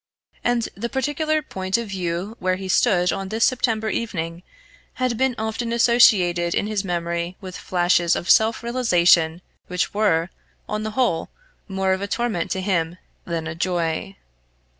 And the particular point of view where he stood on this September evening had been often associated in his memory with flashes of self realisation which were, on the whole, more of a torment to him than a joy.